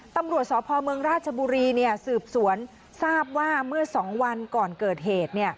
ตำรวจสพเมืองราชบุรีสืบสวนทราบว่าเมื่อ๒วันก่อนเกิดเหตุ